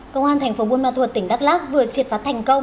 công an tp bun ma thuật tỉnh đắk lắk vừa triệt phát thành công